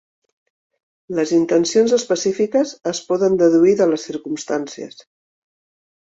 Les intencions específiques es poden deduir de les circumstàncies.